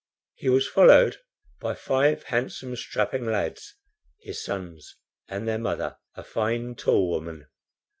He was followed by five handsome strapping lads, his sons, and their mother, a fine tall woman.